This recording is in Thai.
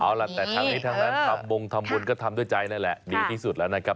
เอาล่ะแต่ทางนี้ทางนี้ก็ทำด้วยใจนั่นแหละ